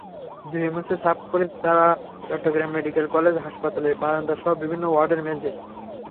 ধুয়ে-মুছে সাফ করছে তারা চট্টগ্রাম মেডিকেল কলেজ হাসপাতালের বারান্দাসহ বিভিন্ন ওয়ার্ডের মেঝে।